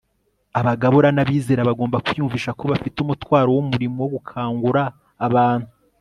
abagabura n'abizera bagomba kwiyumvisha ko bafite umutwaro w'umurimo wo gukangura abantu